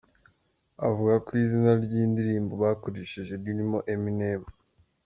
" Avuga ku izina ry’indirimbo bakoresheje ririmo Eminem.